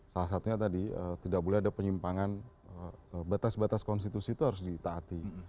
salah satunya tadi tidak boleh ada penyimpangan batas batas konstitusi itu harus ditaati